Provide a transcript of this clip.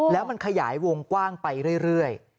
แล้วมันขยายวงกว้างไปเรื่อย